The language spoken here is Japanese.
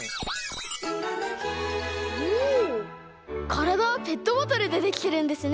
からだはペットボトルでできてるんですね。